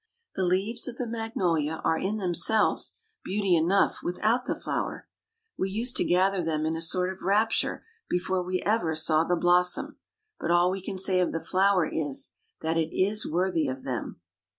The leaves of the magnolia are in themselves beauty enough without the flower. We used to gather them in a sort of rapture before we ever saw the blossom; but all we can say of the flower is, that it is worthy of them.